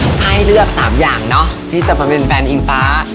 ถ้าให้เลือก๓อย่างที่จะเป็นแฟนอิงฟ้า